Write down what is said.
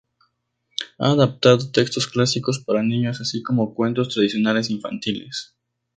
Ha adaptado textos clásicos para niños, así como cuentos tradicionales infantiles.